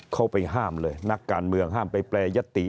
เข้าไปห้ามเลยนักการเมืองห้ามไปแปรยติ